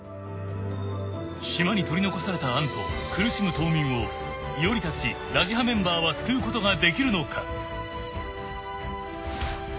［島に取り残された杏と苦しむ島民を唯織たちラジハメンバーは救うことができるのか？］